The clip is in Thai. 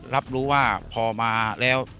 รับรู้ว่าพอมาแล้ว